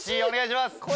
お願いします